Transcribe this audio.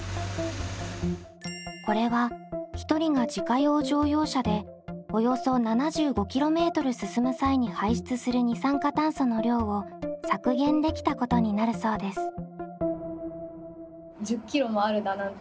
これは１人が自家用乗用車でおよそ７５ｋｍ進む際に排出する二酸化炭素の量を削減できたことになるそうです。